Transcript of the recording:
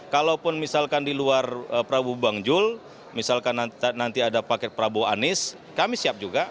kalaupun misalkan di luar prabowo bang jul misalkan nanti ada paket prabowo anies kami siap juga